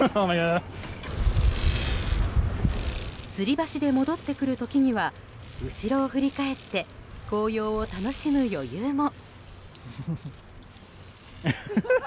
つり橋で戻ってくる時には後ろを振り返って紅葉を楽しむ余裕も。